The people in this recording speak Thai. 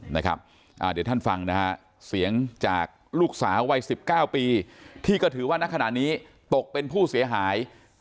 เดี๋ยวท่านฟังนะฮะเสียงจากลูกสาววัย๑๙ปีที่ก็ถือว่านักขณะนี้ตกเป็นผู้เสียหาย